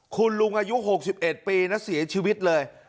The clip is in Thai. คุณลุงอายุหกสิบเอ็ดปีนะเสียชีวิตเลย